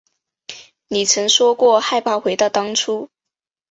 你曾说过害怕回到当初